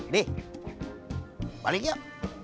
di balik yuk